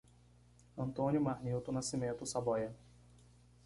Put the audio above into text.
Antônio Marnilto Nascimento Saboia